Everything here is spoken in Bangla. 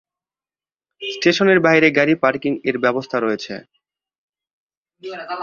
স্টেশনের বাহিরে গাড়ী পার্কিং এর ব্যবস্থা রয়েছে।